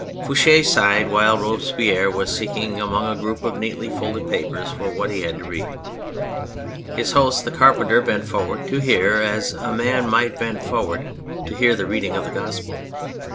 Fouche sighed while Robespierre was seeking among a group of neatly folded papers for what he had to read. His host, the carpenter, bent forward to hear as a man might bend forward to hear the reading of the Gospel.